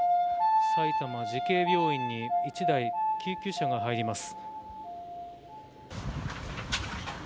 埼玉慈恵病院に１台、救急車が入ります。